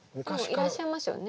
でもいらっしゃいますよね